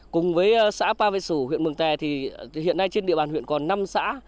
cùng với xã ba vệ sủ huyện mường tè thì hiện nay trên địa bàn huyện còn năm xã